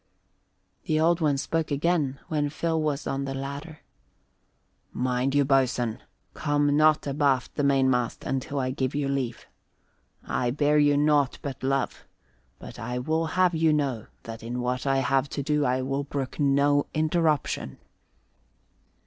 The Old One spoke again when Phil was on the ladder. "Mind you, boatswain: come not abaft the mainmast until I give you leave. I bear you nought but love, but I will have you know that in what I have to do I will brook no interruption."